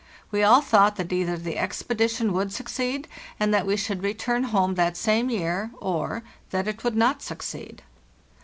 We all thought that either the expedi tion would succeed, and that we should return home that same year, or—that it would not succeed.